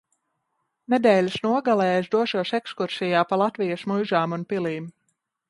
Nedēļas nogalē es došos ekskursijā pa Latvijas muižām un pilīm.